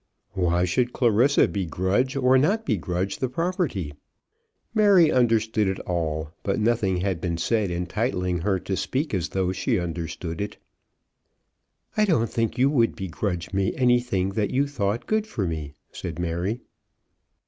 Why should Clarissa begrudge or not begrudge the property? Mary understood it all, but nothing had been said entitling her to speak as though she understood it. "I don't think you would begrudge me anything that you thought good for me," said Mary.